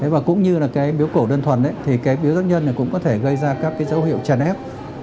và cũng như là cái biếu cổ đơn thuần thì cái biếu tác nhân này cũng có thể gây ra các cái dấu hiệu chèn ép